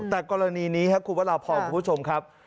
แต่กรณีนี้ครับคุณวราพรคุณผู้ชมครับ